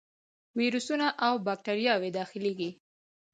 ویروسونه او باکتریاوې داخليږي.